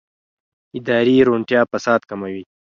اداري روڼتیا فساد کموي